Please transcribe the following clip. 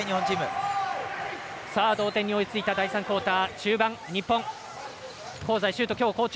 同点に追いついた第３クオーター。